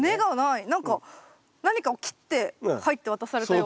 何か何かを切って「はい」って渡されたような。